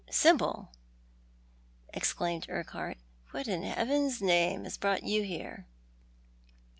" Sibyl !" exclaimed Urquhart. " What in Heaven's name has brought you here